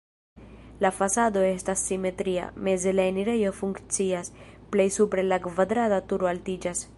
La fasado estas simetria, meze la enirejo funkcias, plej supre la kvadrata turo altiĝas.